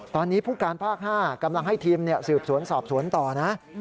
ตอนนี้ผู้การภาค๕กำลังให้ทีมสืบสวนสอบสวนต่อนะ